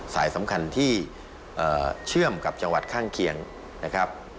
สายสำคัญที่เชื่อมกับจังหวัดข้างเคียงนะครับ